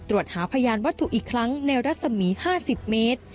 ตรวจหาพยานวัตถุอีกครั้งในรัศมี๕๐เมตร